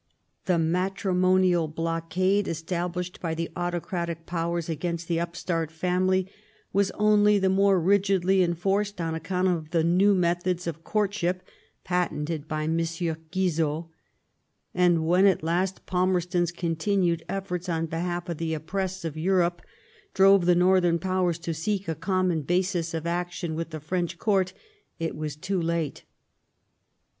The *' matrimonial blockade '^ established by the autocratic Powers against the upstart family was only the more rigidly enforced on account of the new methods of courtship patented by M. Guizot ; and when at last Palmerston's continued efforts on behalf of the op pressed of Europe drove the northern Powers to seek a common basis of action with the French Court, it was too late.